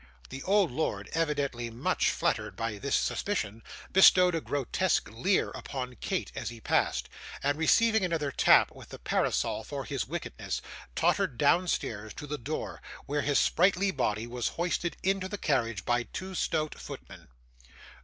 The old lord, evidently much flattered by this suspicion, bestowed a grotesque leer upon Kate as he passed; and, receiving another tap with the parasol for his wickedness, tottered downstairs to the door, where his sprightly body was hoisted into the carriage by two stout footmen.